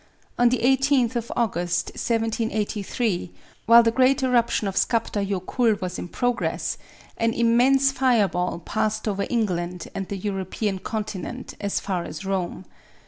On the 18th of August, 1783, while the great eruption of Skaptar Jokull was in progress, an immense fire ball passed over England and the European continent as far as Rome.